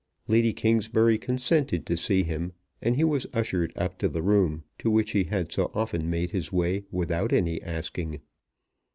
Lady Kingsbury consented to see him, and he was ushered up to the room to which he had so often made his way without any asking.